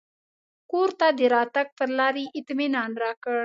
کور ته د راتګ پر لار یې اطمنان راکړ.